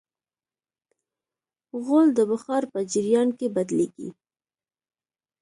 غول د بخار په جریان کې بدلېږي.